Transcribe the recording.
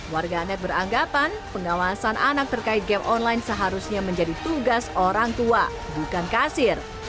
warganet beranggapan pengawasan anak terkait game online seharusnya menjadi tugas orang tua bukan kasir